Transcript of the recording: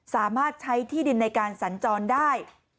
สามารถใช้ที่ดินในการสัญจรได้